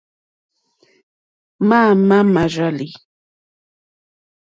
Máámà mà rzàlì.